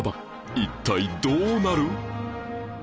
一体どうなる？